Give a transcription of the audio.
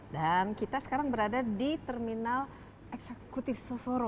dan kita sekarang berada di terminal eksekutif sosoro